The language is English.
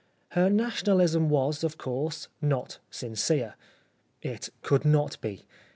Her Nationalism was, of course, not sincere. It could not be.